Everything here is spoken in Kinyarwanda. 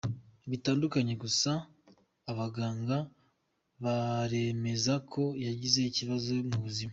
bidakanganye gusa abaganga baremeza ko yagize ikibazo mu buzima.